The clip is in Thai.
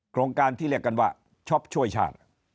โครงการที่เรียกกันว่าช็อปช่วยชาติ